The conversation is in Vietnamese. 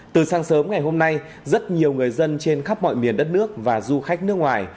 từ sáng sớm ngày hôm nay rất nhiều người dân trên khắp mọi miền đất nước và du khách nước ngoài